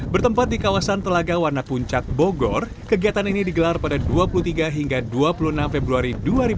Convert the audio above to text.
bertempat di kawasan telaga warna puncak bogor kegiatan ini digelar pada dua puluh tiga hingga dua puluh enam februari dua ribu dua puluh